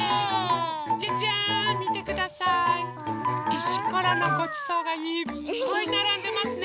いしころのごちそうがいっぱいならんでますね。